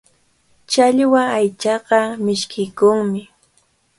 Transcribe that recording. Challwa aychaqa mishkiykunmi.